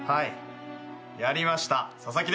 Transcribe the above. やりました佐々木です。